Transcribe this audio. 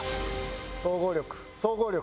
総合力総合力。